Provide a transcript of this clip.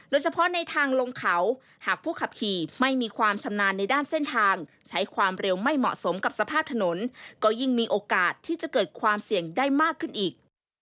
โดยเฉพาะในทางลงเขาหากผู้ขับขี่ไม่มีความชำนาญในด้านเส้นทางใช้ความเร็วไม่เหมาะสมกับสภาพถนนก็ยิ่งมีโอกาสที่จะเกิดความเสี่ยงได้มากขึ้นอีก